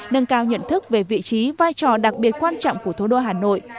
nâng cao nhận thức về vị trí vai trò đặc biệt quan trọng của thủ đô hà nội